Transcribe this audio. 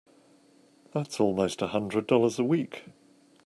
That's almost a hundred dollars a week!